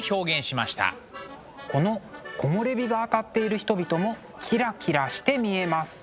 この木漏れ日が当たっている人々もキラキラして見えます。